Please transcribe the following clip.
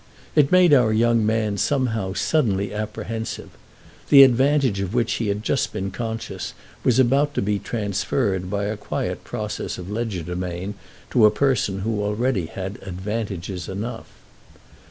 It made our young man, somehow, suddenly apprehensive; the advantage of which he had just been conscious was about to be transferred by a quiet process of legerdemain to a person who already had advantages enough.